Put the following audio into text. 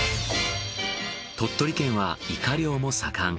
鳥取県はイカ漁も盛ん。